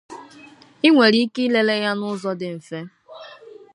You easily check it out